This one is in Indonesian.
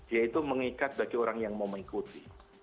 yaitu mengikat bagi orang yang mau mengikuti